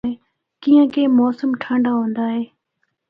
کیّانکہ موسم ٹھنڈا ہوندا اے۔